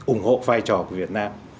ủng hộ vai trò của việt nam